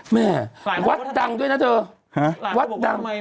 ไม่วัดดังด้วยนะเถอะ